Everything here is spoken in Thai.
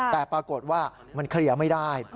แต่ปรากฏว่ามันเคลียร์ไม่ได้